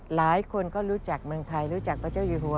หลายคนก็รู้จักเมืองไทยรู้จักพระเจ้าอยู่หัว